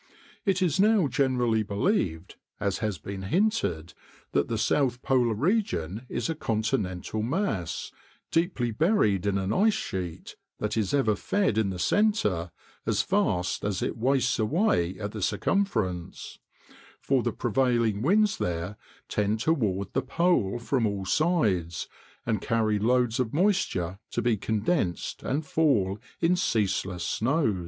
It is now generally believed, as has been hinted, that the south polar region is a continental mass, deeply buried in an ice sheet that is ever fed in the center as fast as it wastes away at the circumference; for the prevailing winds there tend toward the pole from all sides, and carry loads of moisture to be condensed and fall in ceaseless snows.